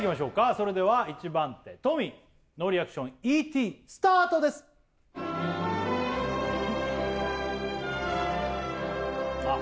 それでは１番手トミーノーリアクションＥ．Ｔ．スタートですあっ